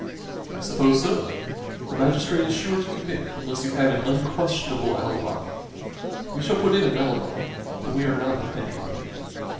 "I suppose so. The magistrate is sure to commit unless you have an unquestionable alibi." "We shall put in an alibi, but we are not depending on it."